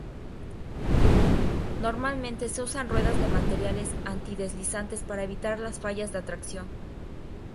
Normalmente se usan ruedas de materiales anti-deslizantes para evitar fallas de tracción.